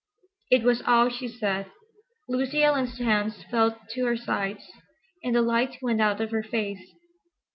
It was all she said. Lucy Ellen's hands fell to her sides, and the light went out of her face.